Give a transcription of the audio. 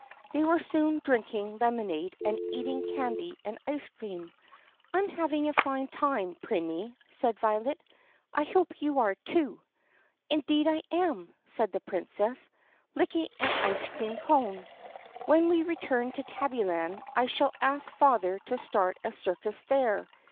They were soon drinking lemonade and eating candy and ice cream. "I am having a fine time, Prinny," said Violet. "I hope you are too." "Indeed I am!" said the Princess, licking an ice cream cone. "When we return to Tabbyland I shall ask father to start a circus there.